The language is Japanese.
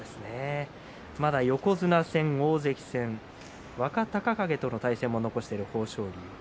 まだ横綱戦、大関戦若隆景との対戦も残している豊昇龍。